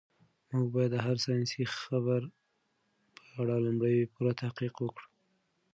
موږ باید د هر ساینسي خبر په اړه لومړی پوره تحقیق وکړو.